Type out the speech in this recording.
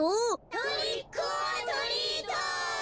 トリックオアトリート！